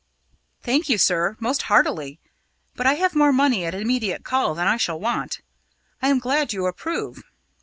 "Thank you, sir, most heartily; but I have more money at immediate call than I shall want. I am glad you approve."